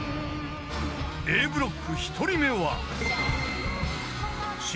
［Ａブロック１人目は］